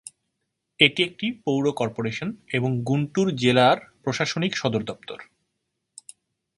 এটি একটি পৌর কর্পোরেশন এবং গুন্টুর জেলার প্রশাসনিক সদর দপ্তর।